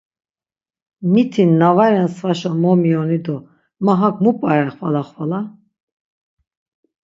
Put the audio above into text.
Miti na va ren svaşa momiyoni do ma hak mu p̌are xvala xvala?